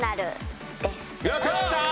やった！